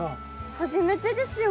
初めてですよ